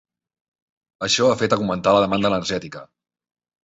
Això ha fet augmentar la demanda energètica.